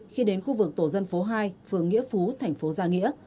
khi đến khu vực tổ dân phố hai phường nghĩa phú thành phố gia nghĩa